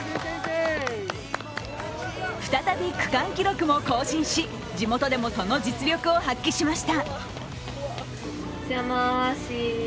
再び区間記録も更新し地元でもその実力を発揮しました。